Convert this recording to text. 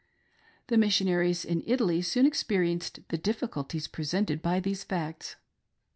The Missionaries in Italy soon experienced the diffi culties presented by these facts.